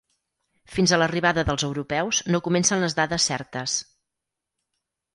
Fins a l'arribada dels europeus no comencen les dades certes.